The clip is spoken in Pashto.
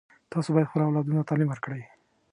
تاسو باید خپلو اولادونو ته تعلیم ورکړئ